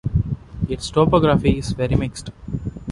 Its topography is very mixed.